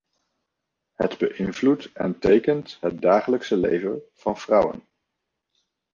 Het beïnvloedt en tekent het dagelijkse leven van vrouwen.